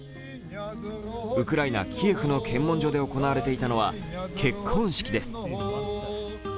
ウクライナ・キエフの検問所で行われていたのは結婚式です。